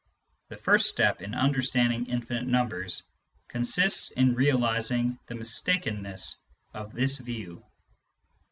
The first step in understanding infinite numbers consists in realising the mistakenness of this view.